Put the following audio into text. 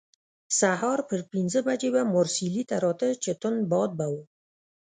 سهار پر پنځه بجې به مارسیلي ته راته، چې توند باد به وو.